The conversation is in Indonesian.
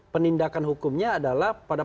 penindakan hukumnya adalah pada